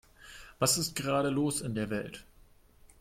Was ist gerade los in der Welt?